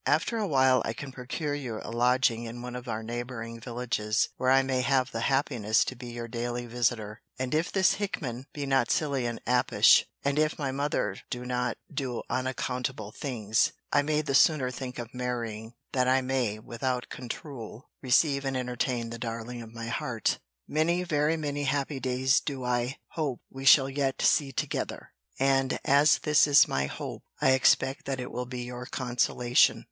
After a while, I can procure you a lodging in one of our neighbouring villages, where I may have the happiness to be your daily visiter. And if this Hickman be not silly and apish, and if my mother do not do unaccountable things, I may the sooner think of marrying, that I may, without controul, receive and entertain the darling of my heart. Many, very many, happy days do I hope we shall yet see together; and as this is my hope, I expect that it will be your consolation.